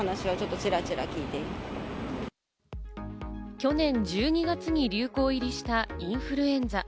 去年１２月に流行入りしたインフルエンザ。